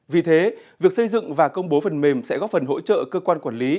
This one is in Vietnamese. vì thế việc xây dựng và công bố phần mềm sẽ góp phần hỗ trợ cơ quan quản lý